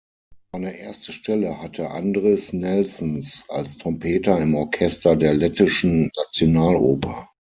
Seine erste Stelle hatte Andris Nelsons als Trompeter im Orchester der Lettischen Nationaloper.